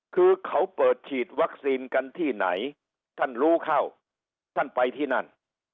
คือเขาเปิดฉีดวัคซีนกันที่ไหนท่านรู้เข้าท่านไปที่นั่น